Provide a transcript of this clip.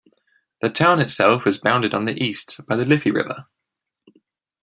The town itself is bounded on the east by the Liffey River.